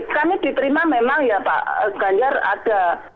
kami diterima memang ya pak ganjar ada